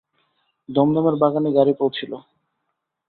দমদমের বাগানে গাড়ি পৌঁছিল।